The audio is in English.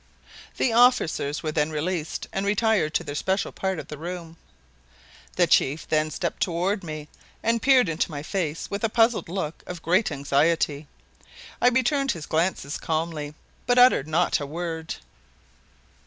The officers were then released and retired to their special part of the room. The chief then stepped toward me and peered into my face with a puzzled look of great anxiety. I returned his glances calmly, but uttered not a word.